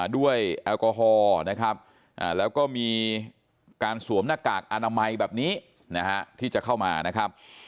แอลกอฮอล์นะครับแล้วก็มีการสวมหน้ากากอนามัยแบบนี้นะฮะที่จะเข้ามานะครับ